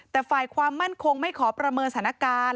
แต่ฝ่ายความมั่นคงไม่ขอประเมินสถานการณ์